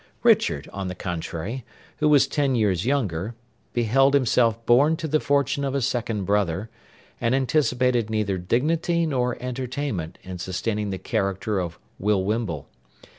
Richard, on the contrary, who was ten years younger, beheld himself born to the fortune of a second brother, and anticipated neither dignity nor entertainment in sustaining the character of Will Wimble.